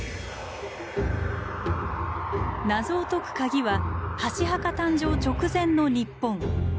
謎を解くカギは箸墓誕生直前の日本。